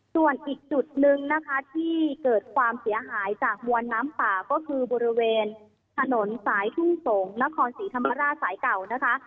ส่วนอีกจุดนึงนะคะที่เกิดความเสียหายจากมวลน้ำป่าก็คือบริเวณถนนสายทุ่งสงศ์นครศรีธรรมราชสายเก่านะคะ